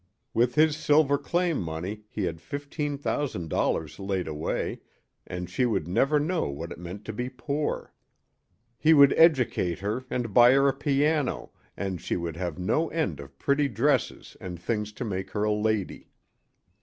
With his silver claim money he had fifteen thousand dollars laid away, and she would never know what it meant to be poor. He would educate her and buy her a piano and she would have no end of pretty dresses and things to make her a lady.